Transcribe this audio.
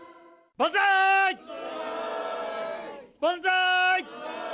万歳！